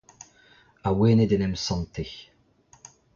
Awenet en em sante